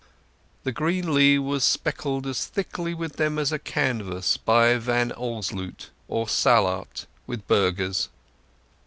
The green lea was speckled as thickly with them as a canvas by Van Alsloot or Sallaert with burghers.